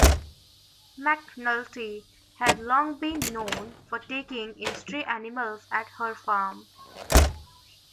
McNulty had long been known for taking in stray animals at her farm.